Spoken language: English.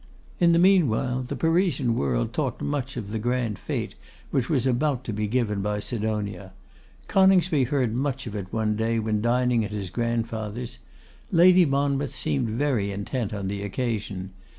In the meanwhile, the Parisian world talked much of the grand fete which was about to be given by Sidonia. Coningsby heard much of it one day when dining at his grandfather's. Lady Monmouth seemed very intent on the occasion.